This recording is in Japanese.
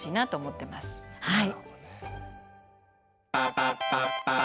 はい。